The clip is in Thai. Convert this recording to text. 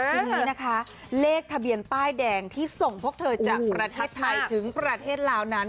ทีนี้นะคะเลขทะเบียนป้ายแดงที่ส่งพวกเธอจากประเทศไทยถึงประเทศลาวนั้น